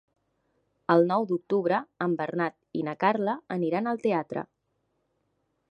El nou d'octubre en Bernat i na Carla aniran al teatre.